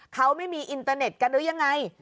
เขาไม่มีอินเตอร์เน็ตกันหรือยังไง